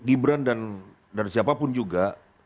ibran dan siapapun juga